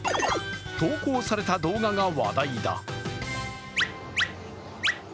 投稿された動画が話題だ。